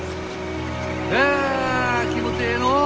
あ気持ちええのう！